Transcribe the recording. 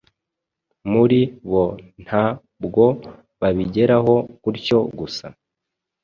muri bo nta bwo babigeraho gutyo gusa